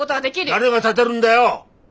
誰が立でるんだよ！